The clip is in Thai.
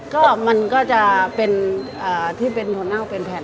ก็มันก็จะเป็นที่เป็นหัวเน่าเป็นแผ่น